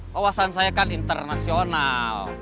wawasan saya kan internasional